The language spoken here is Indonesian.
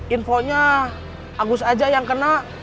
infonya agus aja yang kena